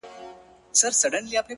زه به له خپل دياره ولاړ سمه ـ